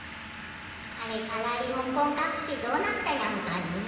あれからりもこんかくしどうなったニャンかね？